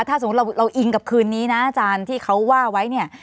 ถ้าสมมุติเราอิงกับคืนนี้นะอาจารย์ที่เขาว่าไว้เนี่ย